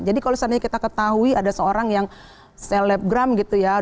jadi kalau seandainya kita ketahui ada seorang yang selebgram gitu ya